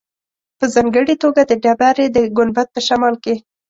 په ځانګړې توګه د ډبرې د ګنبد په شمال کې.